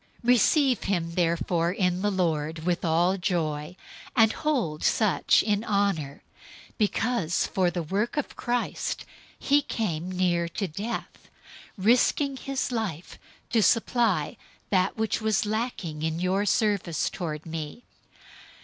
002:029 Receive him therefore in the Lord with all joy, and hold such in honor, 002:030 because for the work of Christ he came near to death, risking his life to supply that which was lacking in your service toward me.